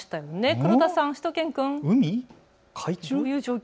黒田さん、しゅと犬くん。